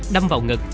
đâm vào ngực